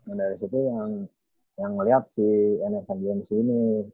dan dari situ yang ngeliat si nsa gmsu ini